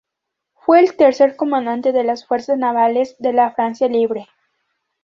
Fue el tercer comandante de las Fuerzas navales de la Francia Libre.